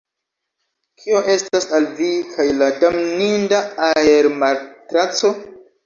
Kio estas al vi kaj la damninda aermatraco?